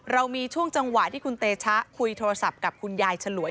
เรามีช่วงจังหวะที่คุณเตชะคุยโทรศัพท์กับคุณยายฉลวย